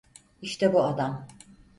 İşte bu adam.